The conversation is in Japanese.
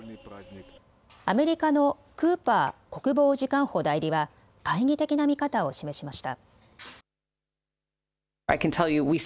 アメリカのクーパー国防次官補代理は懐疑的な見方を示しました。